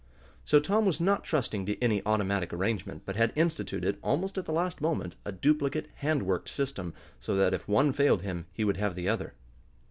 So Tom was not trusting to any automatic arrangement, but had instituted, almost at the last moment, a duplicate hand worked system, so that if one failed him he would have the other.